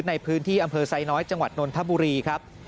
ในพื้นที่อำเภอไซน้อยจังหวัดนนทบุรีครับ